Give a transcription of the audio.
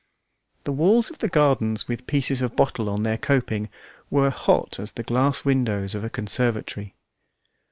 The walls of the gardens with pieces of bottle on their coping were hot as the glass windows of a conservatory.